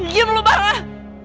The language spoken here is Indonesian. diam lo banget